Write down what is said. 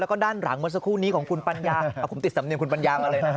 แล้วก็ด้านหลังเมื่อสักครู่นี้ของคุณปัญญาคุณปัญญากันเลยนะครับ